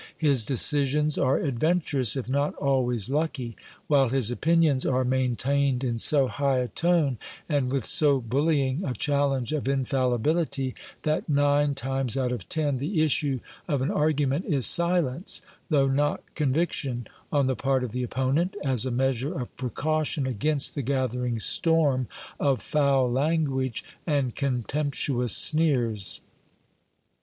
His decisions are adventurous, if not always lucky; while his opinions are maintained in so high a tone and with so bullying a challenge of infallibility, that nine times out of ten the issue of an argument is silence, though not con viction, on the part of the opponent, as a measure of precaution against the gathering storm of foul language and contemptuous sneers.